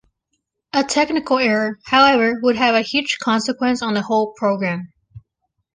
A technical error, however, would have a huge consequence on the whole program.